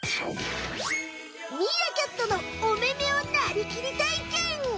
ミーアキャットのお目目をなりきりたいけん！